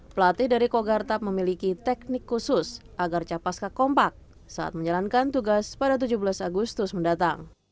pelatih dari kogartap memiliki teknik khusus agar capaska kompak saat menjalankan tugas pada tujuh belas agustus mendatang